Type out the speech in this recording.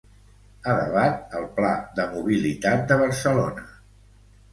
A debat el pla de mobilitat de Barcelona.